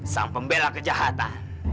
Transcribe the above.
sang pembela kejahatan